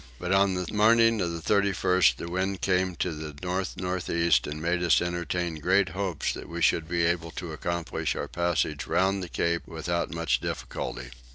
But on the morning of the 31st the wind came to the north north east and made us entertain great hopes that we should be able to accomplish our passage round the Cape without much difficulty.